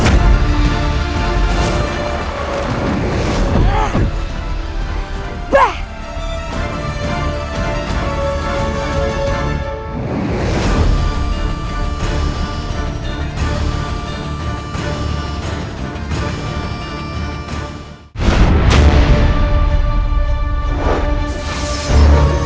aku akan menangkapmu